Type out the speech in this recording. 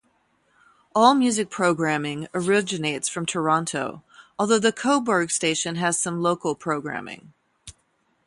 All music programming originates from Toronto, although the Cobourg station has some local programming.